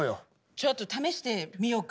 ちょっと試してみようか。